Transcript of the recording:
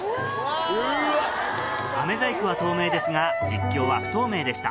飴細工は透明ですが実況は不透明でした。